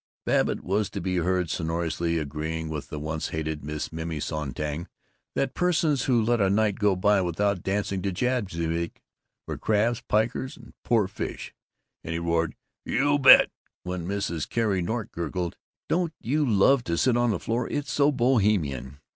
Babbitt was to be heard sonorously agreeing with the once hated Miss Minnie Sonntag that persons who let a night go by without dancing to jazz music were crabs, pikers, and poor fish; and he roared "You bet!" when Mrs. Carrie Nork gurgled, "Don't you love to sit on the floor? It's so Bohemian!"